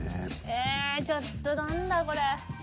えっちょっと何だこれ。